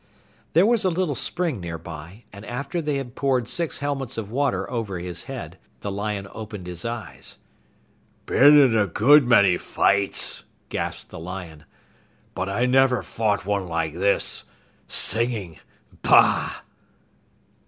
There was a little spring nearby, and after they had poured six helmets of water over his head, the lion opened his eyes. "Been in a good many fights," gasped the lion, "but I never fought one like this. Singing, bah!"